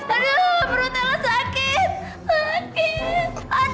aduh perutnya sakit sakit